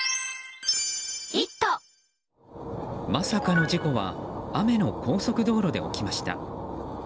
まさかの事故は雨の高速道路で起きました。